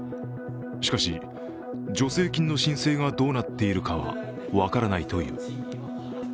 しかし、助成金の申請がどうなっているかは、分からないという。